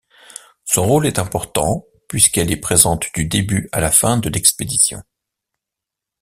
Son rôle est important puisqu'elle est présente du début à la fin de l'expédition.